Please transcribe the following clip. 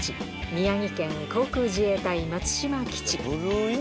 宮城県航空自衛隊松島基地